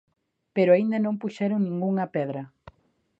Pero aínda non puxeron ningunha pedra.